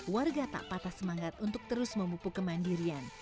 warga tak patah semangat untuk terus memupuk kemandirian